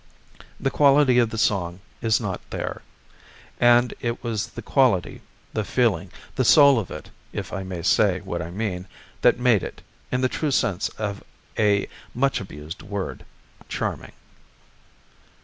The quality of the song is not there; and it was the quality, the feeling, the soul of it, if I may say what I mean, that made it, in the true sense of a much abused word, charming.